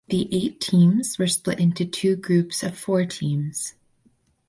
The eight teams were split into two groups of four teams.